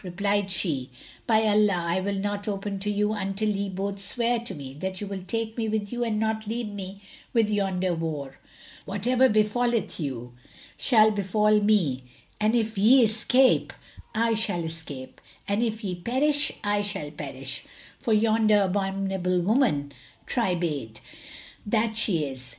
Replied she, "By Allah, I will not open to you until ye both swear to me that you will take me with you and not leave me with yonder whore: so, whatever befalleth you shall befal me and if ye escape, I shall escape, and if ye perish, I shall perish: for yonder abominable woman, tribade[FN#172] that she is!